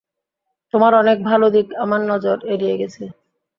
তোমার অনেক ভালো দিক আমার নজর এড়িয়ে গেছে।